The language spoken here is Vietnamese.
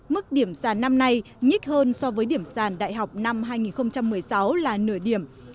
mức điểm sàn năm nay nhích hơn so với điểm sàn đại học năm hai nghìn một mươi sáu là nửa điểm